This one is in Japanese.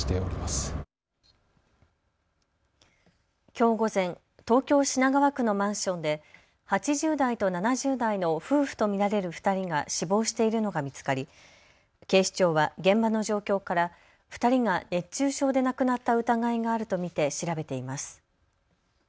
きょう午前、東京品川区のマンションで８０代と７０代の夫婦と見られる２人が死亡しているのが見つかり警視庁は現場の状況から２人が熱中症で亡くなった疑いがあると見て調べています。